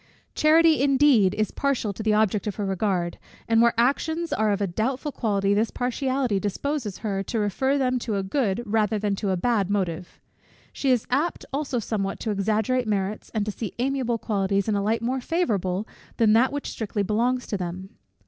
Charity, indeed, is partial to the object of her regard; and where actions are of a doubtful quality, this partiality disposes her to refer them to a good, rather than to a bad, motive. She is apt also somewhat to exaggerate merits, and to see amiable qualities in a light more favourable than that which strictly belongs to them.